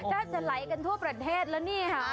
น่าจะไหลกันทั่วประเทศแล้วนี่ค่ะ